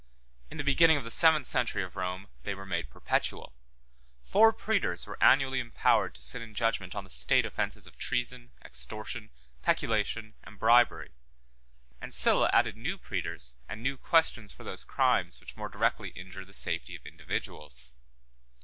In the beginning of the seventh century of Rome they were made perpetual: four praetors were annually empowered to sit in judgment on the state offences of treason, extortion, peculation, and bribery; and Sylla added new praetors and new questions for those crimes which more directly injure the safety of individuals.